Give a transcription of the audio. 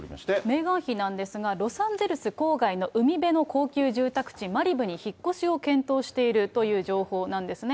メーガン妃なんですが、ロサンゼルス郊外の海辺の高級住宅地、マリブに引っ越しを検討しているという情報なんですね。